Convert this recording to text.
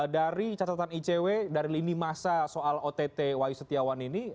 dari catatan icw dari lini masa soal ott wai setiawan ini